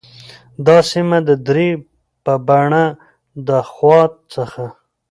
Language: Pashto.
دا سیمه د درې په بڼه د خوات څخه